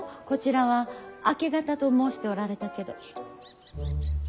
こちらは明け方と申しておられたけど。